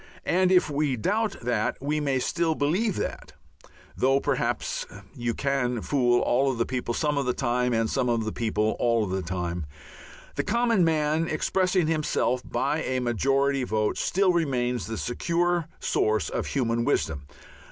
And if we doubt that we may still believe that, though perhaps "you can fool all the people some of the time, and some of the people all the time," the common man, expressing himself by a majority vote, still remains the secure source of human wisdom.